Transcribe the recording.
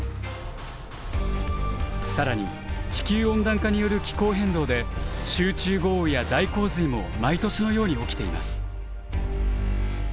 更に地球温暖化による気候変動で集中豪雨や大洪水も毎年のように起きています。